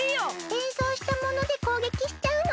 れんそうしたものでこうげきしちゃうの。